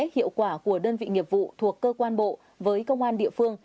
hiệu quả của đơn vị nghiệp vụ thuộc cơ quan bộ với công an địa phương